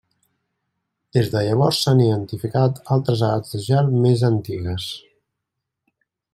Des de llavors s'han identificat altres edats de gel més antigues.